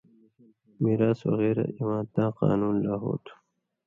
مِراث وغېرہ اِواں تاں قانُون لا ہو تُھو،